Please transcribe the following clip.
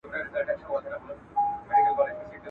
د اېلوونکي ښکلا پنځ او پرانستنه